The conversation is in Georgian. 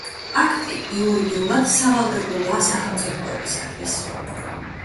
პაქტი იურიდიულად სავალდებულოა სახელმწიფოებისათვის.